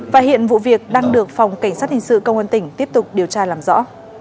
và hiện vụ việc đang được phòng cảnh sát hình sự công an tỉnh tiếp tục điều tra làm rõ